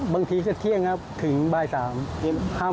บางทีจะเที่ยงครับถึงบ่าย๓